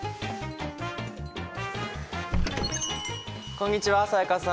こんにちは才加さん。